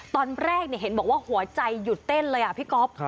ตอนแรกเห็นบอกว่าหัวใจหยุดเต้นเลยพี่ก๊อฟ